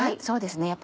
そうですね。